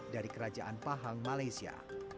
dari kerajaan pahang malaysia